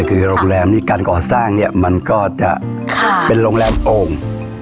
คือโรงแรมนี้การก่อสร้างเนี่ยมันก็จะเป็นโรงแรมโอ่ง